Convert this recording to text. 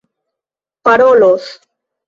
parolos